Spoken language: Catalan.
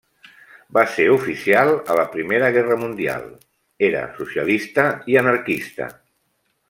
Va ser oficial a la Primera Guerra Mundial, era socialista i anarquista.